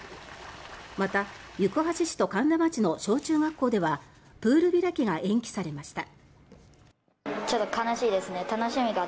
また行橋市と苅田町の小中学校ではプール開きが延期されました。